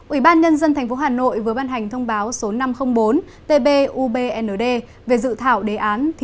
ủy ban nhân dân tp hà nội vừa ban hành thông báo số năm trăm linh bốn tb ubnd về dự thảo đế án